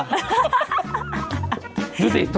ดูสิดูชุดนั้น